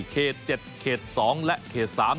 เขต๗เขต๒และเขต๓